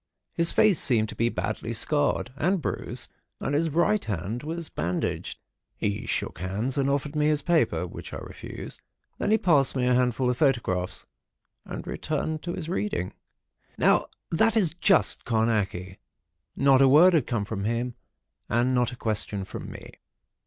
His face seemed to be badly scarred and bruised, and his right hand was bandaged. He shook hands and offered me his paper, which I refused. Then he passed me a handful of photographs, and returned to his reading. Now, that is just Carnacki. Not a word had come from him, and not a question from me.